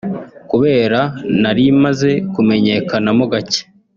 Kubera nari maze kumenyekanamo gake